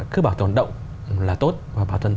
cứ bảo tồn động là tốt và bảo tồn